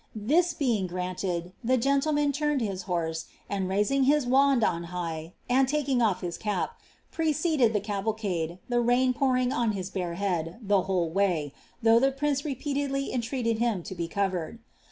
This being granted, the gentleman turned his horse, and raising his wand on high, and taking off his cap, preceded the cavalcade, the lain pouring on his bare head the whole way, though the prince repeair ediy entreated him to be covered.